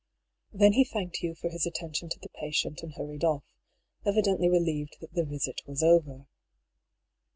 Then he thanked Hugh for his attention to the pa tient and hurried off, evidently relieved that the visit was over.